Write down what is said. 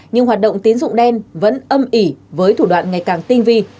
nhưng hoạt động tín dụng đen vẫn âm ỉ với thủ đoạn ngày càng tinh vi